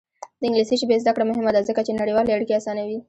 د انګلیسي ژبې زده کړه مهمه ده ځکه چې نړیوالې اړیکې اسانوي.